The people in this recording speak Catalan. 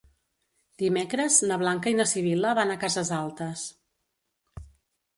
Dimecres na Blanca i na Sibil·la van a Cases Altes.